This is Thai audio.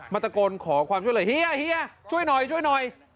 มตกลขอความช่วยเลยเฮียช่วยหน่อย